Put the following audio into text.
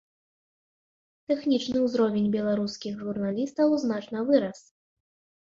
Тэхнічны ўзровень беларускіх журналістаў значна вырас.